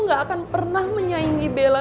gak akan pernah menyaingi bella